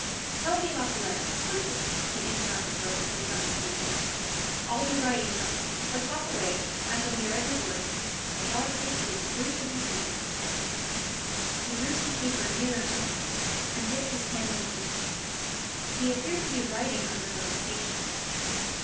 "Tell me about the letter quickly," he interrupted her with some impatience. "I'll be writing something but talk away, I shall hear every word. But for God's sake be as brief as you can." He drew some paper nearer to him and dipped his pen in the ink. He appeared to be writing under her dictation.